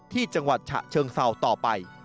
ที่จังหวัดฉะเชิงเศร้าต่อไป